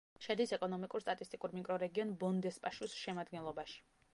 შედის ეკონომიკურ-სტატისტიკურ მიკრორეგიონ ბონ-დესპაშუს შემადგენლობაში.